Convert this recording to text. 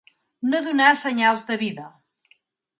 No donar senyals de vida.